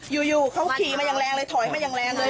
อยู่เขาขี่มาอย่างแรงเลยถอยมาอย่างแรงเลย